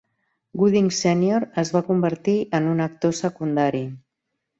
Gooding Senior es va convertir en un actor secundari.